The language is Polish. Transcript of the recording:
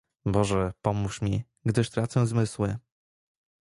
"Boże pomóż mi, gdyż tracę zmysły!"